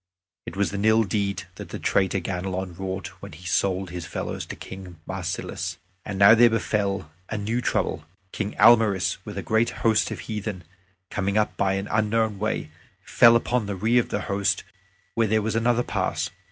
It was an ill deed that the traitor Ganelon wrought when he sold his fellows to King Marsilas! And now there befell a new trouble. King Almaris, with a great host of heathen, coming by an unknown way, fell upon the rear of the host where there was another pass.